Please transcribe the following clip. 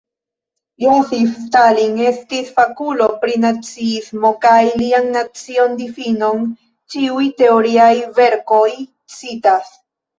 Josif Stalin estis fakulo pri naciismo kaj lian nacio-difinon ĉiuj teoriaj verkoj citas.